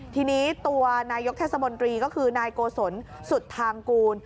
ทีนี้ตัวนายกเทศมนตรีก็คือนายโกศลสุดทางกูล